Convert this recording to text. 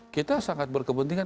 kita sangat berkepentingan